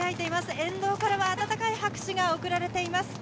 沿道からは温かい拍手が送られています。